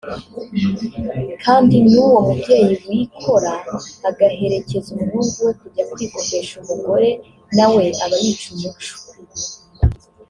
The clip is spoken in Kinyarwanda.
kandi n’uwo mubyeyi wikora agaherekeza umuhungu we kujya kwikopesha umugore na we aba yica umuco